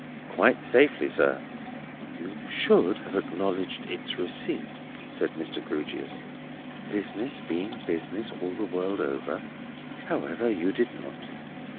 "Quite safely, sir." "You should have acknowledged its receipt," said Mr. Grewgious; "business being business all the world over. However, you did not."